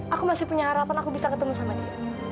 aku masih punya harapan aku bisa ketemu sama dia